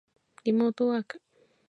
リモートワーク